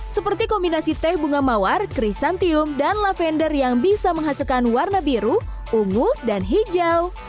seperti kombinasi teh bunga mawar crisantium dan lavender yang bisa menghasilkan warna biru ungu dan hijau